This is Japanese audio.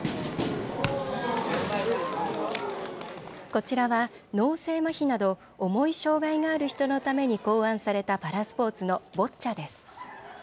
こちらは脳性まひなど重い障害がある人のために考案されたパラスポーツのボッチャです。